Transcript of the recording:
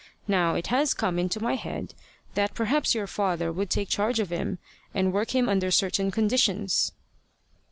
Now, it has come into my head that perhaps your father would take charge of him, and work him under certain conditions."